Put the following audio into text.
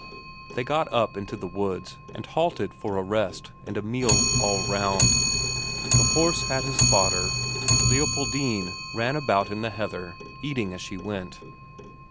They got up into the woods and halted for a rest and a meal all round. The horse had his fodder; Leopoldine ran about in the heather, eating as she went.